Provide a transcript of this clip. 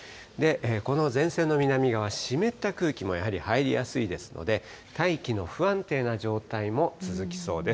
この前線の南側、湿った空気もやはり入りやすいですので、大気の不安定な状態も続きそうです。